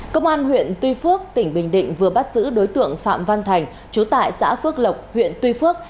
công an huyện tuy phước tỉnh bình định vừa bắt giữ đối tượng phạm văn thành chú tại xã phước lộc huyện tuy phước